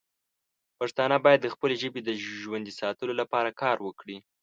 پښتانه باید د خپلې ژبې د ژوندی ساتلو لپاره کار وکړي.